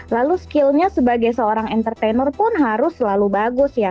lalu skillnya sebagai seorang entertainer pun harus selalu bagus ya